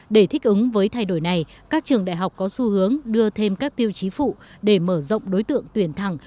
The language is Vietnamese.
để thích ứng với thay đổi này các trường đại học có xu hướng đưa thêm các tiêu chí phụ để mở rộng đối tượng tuyển thẳng